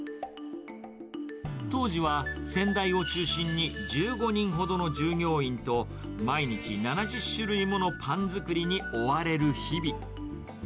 当時は先代を中心に１５人ほどの従業員と毎日７０種類ものパン作りに追われる日々。